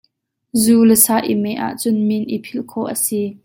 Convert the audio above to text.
Zu le sa i meh ahcun min i philh khawh a si.